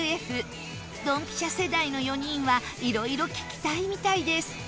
どんぴしゃ世代の４人はいろいろ聞きたいみたいです